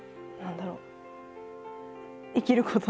何だろう